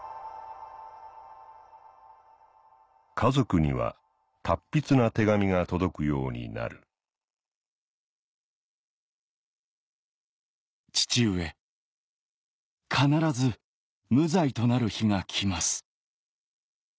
家族には達筆な手紙が届くようになる「父上必ず無罪となる日が来ます」